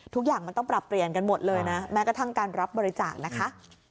ทุกอย่างมันต้องปรับเปลี่ยนกันหมดเลยนะแม้กระทั่งการรับบริจาคนะคะ